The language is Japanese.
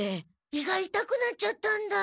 胃がいたくなっちゃったんだ。